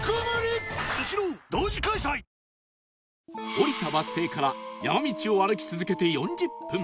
降りたバス停から山道を歩き続けて４０分